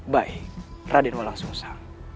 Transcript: baik raden walang susah